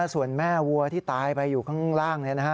ส่วนแม่วัวที่ตายไปอยู่ข้างล่าง